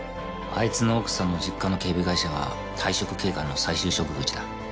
あいつの奥さんの実家の警備会社は退職警官の再就職口だ。